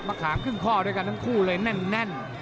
ขามครึ่งข้อด้วยกันทั้งคู่เลยแน่น